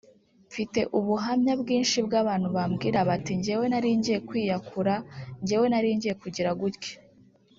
mfite ubuhamya bwinshi bw’abantu bambwira bati ‘njyewe nari ngiye kwiyakura; njyewe nari ngiye kugira gutya